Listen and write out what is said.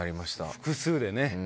複数でね。